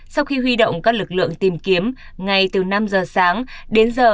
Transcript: sau khi huy động các lực lượng tìm kiếm ngay từ năm giờ sáng đến giờ